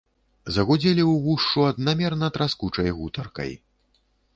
Загудзелі ўвушшу аднамерна траскучай гутаркай.